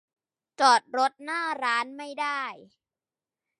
จอดรถหน้าร้านไม่ได้